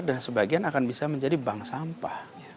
dan sebagian akan bisa menjadi bank sampah